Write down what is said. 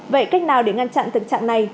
vậy cách nào để ngăn chặn tự trạng này